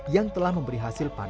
yang telah memberi hasil untuk ubi